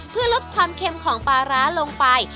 เพื่อลดความเค็มของปลาร้าลงไป